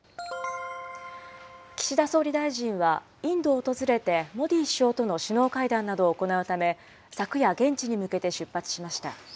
岸田総理大臣は、インドを訪れて、モディ首相との首脳会談を行うため、昨夜、現地に向けて出発しました。